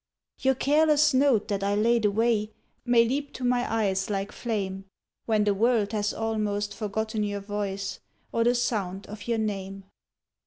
Your careless note that I laid away May leap to my eyes like flame When the world has almost forgotten your voice Or the sound of your name.